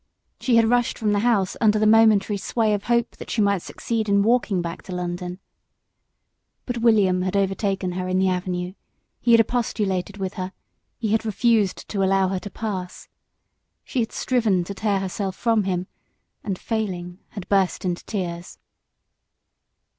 She had rushed from the house under the momentary sway of hope that she might succeed in walking back to London; but William had overtaken her in the avenue, he had expostulated with her, he had refused to allow her to pass. She had striven to tear herself from him, and, failing, had burst into tears.